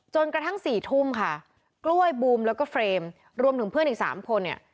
จนกระทั่งสี่ทุ่มค่ะกล้วยบูมแล้วก็เฟรมรวมถึงเพื่อนอีก๓คนเนี่ย